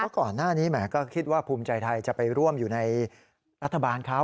ก่อนหน้านี้แหมก็คิดว่าภูมิใจไทยจะไปร่วมอยู่ในรัฐบาลเขา